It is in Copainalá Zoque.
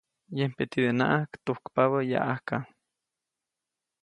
Yempe tidenaʼajk tujkpabä yaʼajka.